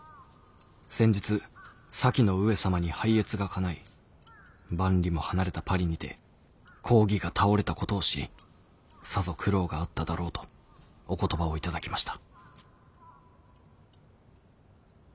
先日先の上様に拝謁がかない万里も離れたパリにて公儀が倒れたことを知りさぞ苦労があっただろうとお言葉を頂きました」。